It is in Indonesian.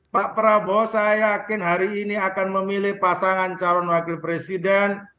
pak prabowo saya yakin hari ini akan memilih pasangan calon wakil presiden